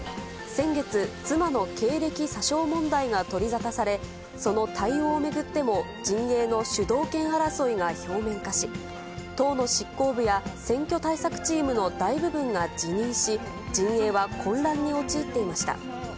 先月、妻の経歴詐称問題が取り沙汰され、その対応を巡っても、陣営の主導権争いが表面化し、党の執行部や選挙対策チームの大部分が辞任し、陣営は混乱に陥っていました。